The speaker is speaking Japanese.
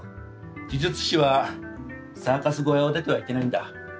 奇術師はサーカス小屋を出てはいけないんだ。